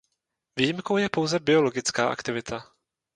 Výjimkou je pouze biologická aktivita.